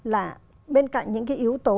là bên cạnh những cái yếu tố